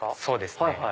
そうですね。